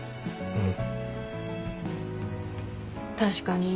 うん。